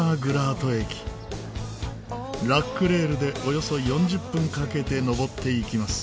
ラックレールでおよそ４０分かけて登っていきます。